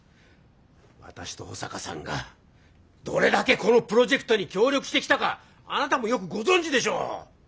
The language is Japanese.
私と保坂さんがどれだけこのプロジェクトに協力してきたかあなたもよくご存じでしょう！